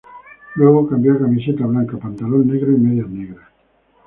Luego cambió a camiseta blanca, pantalón negro y medias negras.